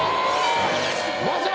まさか。